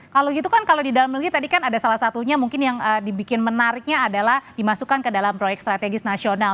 kalau gitu kan kalau di dalam negeri tadi kan ada salah satunya mungkin yang dibikin menariknya adalah dimasukkan ke dalam proyek strategis nasional